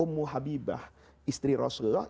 nabi istri rasulullah